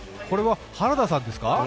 これは原田さんですか。